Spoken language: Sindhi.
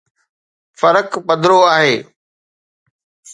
فرق پڌرو آهي.